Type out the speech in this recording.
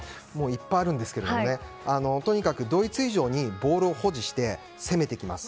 いっぱいあるんですけどとにかくドイツ以上にボールを保持して攻めてきます。